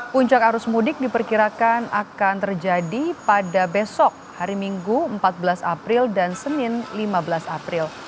puncak arus mudik diperkirakan akan terjadi pada besok hari minggu empat belas april dan senin lima belas april